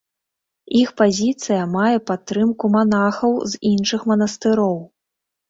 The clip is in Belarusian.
Іх пазіцыя мае падтрымку манахаў з іншых манастыроў.